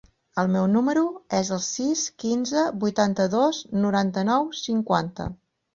El meu número es el sis, quinze, vuitanta-dos, noranta-nou, cinquanta.